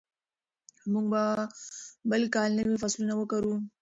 موږ به بل کال نوي فصلونه وکرو.